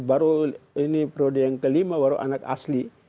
baru ini periode yang kelima baru anak asli